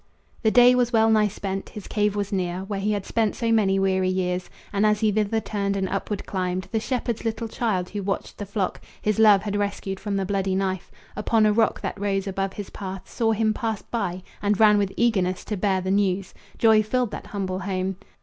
The day was well nigh spent; his cave was near, Where he had spent so many weary years, And as he thither turned and upward climbed, The shepherd's little child who watched the flock His love had rescued from the bloody knife, Upon a rock that rose above his path Saw him pass by, and ran with eagerness To bear the news. Joy filled that humble home.